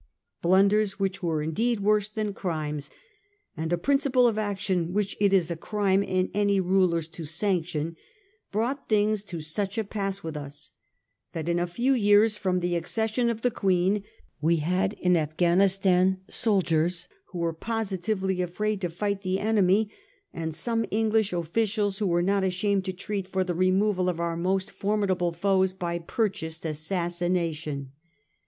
Blunders which were indeed worse than crimes, and a principle of action which it is a crime in any rulers to sanction, brought things to such a pass with us that in a few years from the accession of the Queen we had in Afghan istan soldiers who were positively afraid to fight the enemy, and some English officials who were not ashamed to treat for the removal of our most for midable foes by purchased assassination.